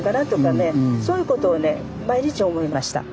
そういうことをね毎日思いました。